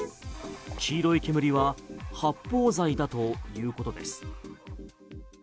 黄色い煙は発泡剤だということです。